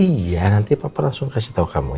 iya nanti papa langsung kasih tau kamu ya